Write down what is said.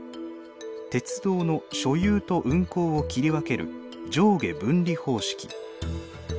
鉄道の所有と運行を切り分ける上下分離方式。